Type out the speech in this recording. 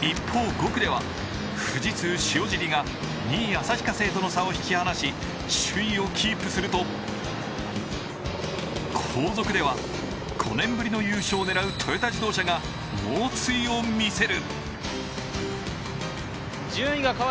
一方、５区では富士通、塩尻が２位・旭化成との差を引き離し、首位をキープすると後続では５年ぶりの優勝を狙うトヨタ自動車が猛追を見せる。